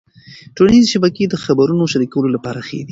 ټولنيزې شبکې د خبرونو شریکولو لپاره ښې دي.